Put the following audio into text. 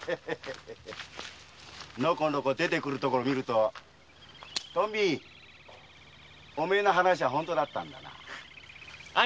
のこのこ出てくるところをみるとトンビお前の話は本当だったんだな。